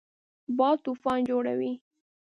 باد طوفان جوړوي